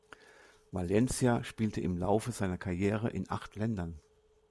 Valencia spielte im Laufe seiner Karriere in acht Ländern.